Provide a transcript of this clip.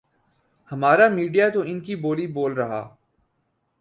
ہمارا میڈیا تو انکی بولی بول رہا ۔